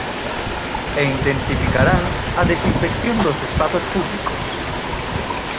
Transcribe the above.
E intensificarán a desinfección dos espazos públicos.